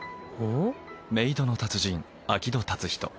メイドの達人明戸達人